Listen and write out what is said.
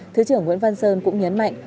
thứ trưởng nguyễn văn sơn cũng nhấn mạnh